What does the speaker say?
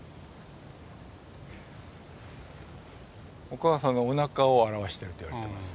お母さんのおなかを表してると言われてます。